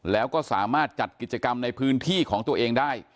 แล้วก็สามารถจัดกิจกรรมในพื้นที่ของตัวเองได้